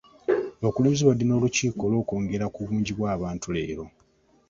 Abakulembeze babadde n'olukiiko lw'okwongera ku bungi bw'abantu leero.